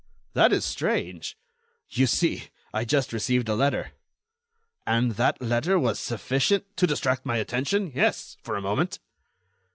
"That is strange." "You see, I just received a letter." "And that letter was sufficient—" "To distract my attention? Yes, for a moment."